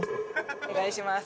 お願いします。